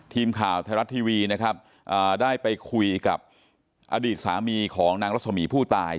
ทีมข่าวไทยรัฐทีวีนะครับได้ไปคุยกับอดีตสามีของนางรัสมีผู้ตาย